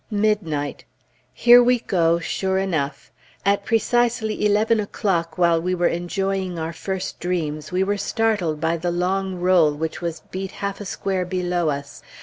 Midnight. Here we go, sure enough. At precisely eleven o'clock, while we were enjoying our first dreams, we were startled by the long roll which was beat half a square below us.